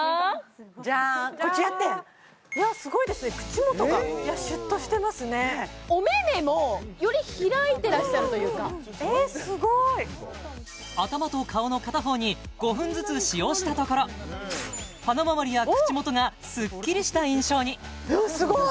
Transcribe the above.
じゃんこっちやってんわすごいですね口元がシュッとしてますねおめめもより開いてらっしゃるというかえっすごいしたところ鼻周りや口元がすっきりした印象にすごい！